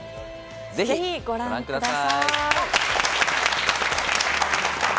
ぜひ、ご覧ください。